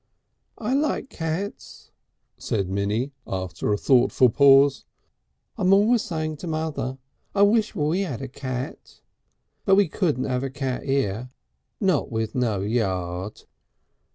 "I like cats," said Minnie after a thoughtful pause. "I'm always saying to mother, 'I wish we 'ad a cat.' But we couldn't 'ave a cat 'ere not with no yard."